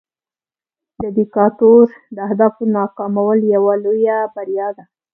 د دیکتاتور د اهدافو ناکامول هم یوه لویه بریا ده.